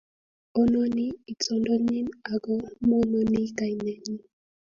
ononi itondonyin ako monooni kainenyin